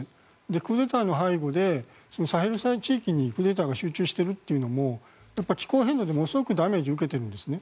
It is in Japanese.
クーデターの背後でサヘル地域にクーデターが集中しているというのも気候変動でものすごくダメージを受けているんですね。